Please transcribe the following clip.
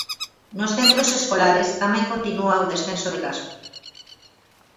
Nos centros escolares tamén continúa o descenso de casos.